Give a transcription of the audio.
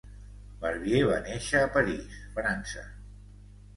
Barbier va néixer a París, França.